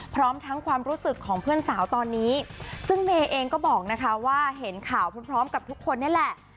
พร้อมทั้งความรู้สึกของเพื่อนสาวตอนนี้ซึ่งเมย์เองก็บอกนะคะว่าเห็นข่าวพร้อมกับทุกคนนี่แหละ